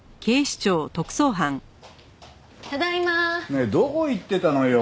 ねえどこ行ってたのよ？